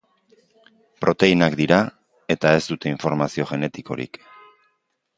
Proteinak dira, eta ez dute informazio genetikorik.